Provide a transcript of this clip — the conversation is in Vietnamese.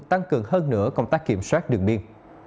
tăng cường hơn nữa công tác kiểm soát đường biên